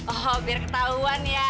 oh biar ketahuan ya